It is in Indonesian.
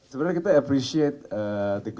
sebenarnya kita menghargai